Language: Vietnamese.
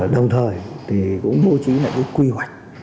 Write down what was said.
đồng thời thì cũng bố trí lại cái quy hoạch